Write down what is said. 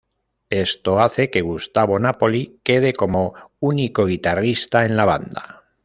Esto hace que Gustavo Nápoli quede como único guitarrista en la banda.